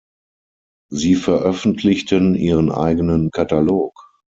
Sie veröffentlichten ihren eigenen Katalog.